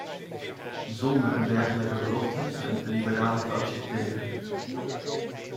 Zonder een dergelijke belofte stemt de liberale fractie tegen.